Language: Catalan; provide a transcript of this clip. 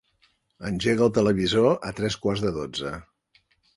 Engega el televisor a tres quarts de dotze.